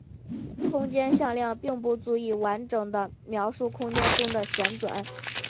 空间向量并不足以完整描述空间中的旋转。